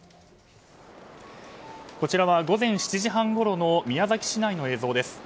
こちらは午前７時半ごろの宮崎市内の映像です。